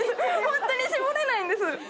ホントに絞れないんです。